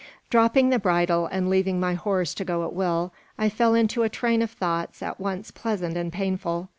Dropping the bridle, and leaving my horse to go at will, I fell into a train of thoughts at once pleasant and painful.